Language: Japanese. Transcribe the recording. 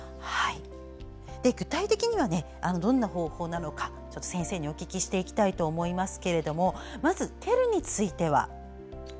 具体的には、どんな方法なのか先生にお聞きしていきたいと思いますけどまず、「Ｔｅｌｌ」については？